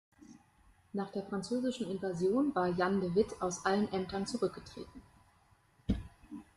Nach der französischen Invasion war Jan de Witt aus allen Ämtern zurückgetreten.